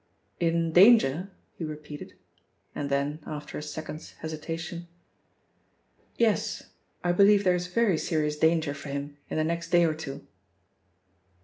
"In danger?" he repeated, and then after a second's hesitation. "Yes, I believe there is very serious danger for him in the next day or two."